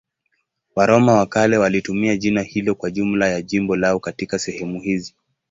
Waroma wa kale walitumia jina hilo kwa jumla ya jimbo lao katika sehemu hizi.